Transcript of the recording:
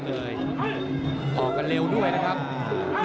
นี่คือยอดมวยแท้รัก